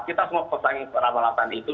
kita semua pesangi ramah ramah itu